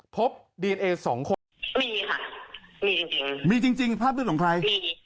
พบดีเอ็นเอสองคนมีค่ะมีจริงจริงมีจริงจริงภาพเลือดของใคร